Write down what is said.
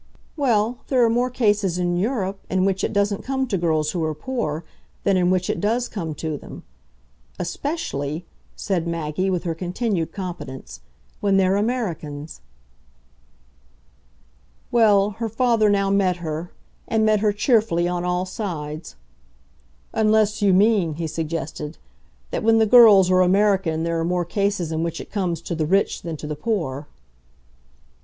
"Well, there are more cases, in Europe, in which it doesn't come to girls who are poor than in which it does come to them. Especially," said Maggie with her continued competence, "when they're Americans." Well, her father now met her, and met her cheerfully, on all sides. "Unless you mean," he suggested, "that when the girls are American there are more cases in which it comes to the rich than to the poor."